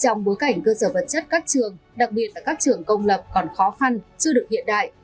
trong bối cảnh cơ sở vật chất các trường đặc biệt là các trường công lập còn khó khăn chưa được hiện đại